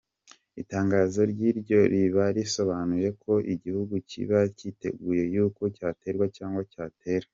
Itangazo nk’iryo riba risobanuye yuko igihugu kiba kiteguye yuko cyaterwa cyangwa cyatera.